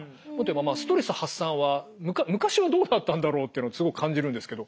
ストレス発散は昔はどうだったんだろうっていうのはすごく感じるんですけど。